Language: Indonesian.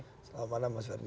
selamat malam mas ferdinand